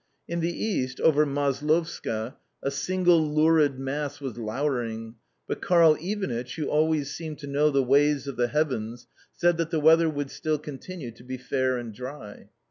In the east, over Maslovska, a single lurid mass was louring, but Karl Ivanitch (who always seemed to know the ways of the heavens) said that the weather would still continue to be fair and dry.